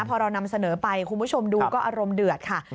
พอเรานำเสนอไปคุณผู้ชมดูก็อารมณ์เดือดค่ะ